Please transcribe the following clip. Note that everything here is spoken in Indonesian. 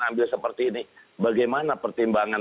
ambil seperti ini bagaimana pertimbangan